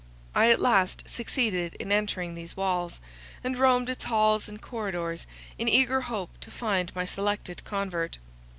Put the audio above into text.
I at last succeeded in entering these walls, and roamed its halls and corridors in eager hope to find my selected convert.